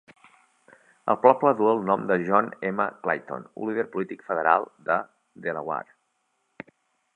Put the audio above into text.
El poble duu el nom de John M. Clayton, un líder polític federal de Delaware.